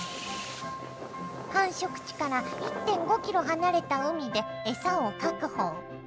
繁殖地から１．５ｋｍ離れた海で餌を確保。